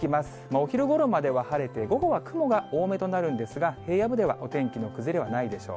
お昼ごろまでは晴れて、午後は雲が多めとなるんですが、平野部ではお天気の崩れはないでしょう。